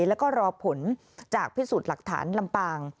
แล้วก็รอผลจากพิสูจน์หลักฐานลำปาง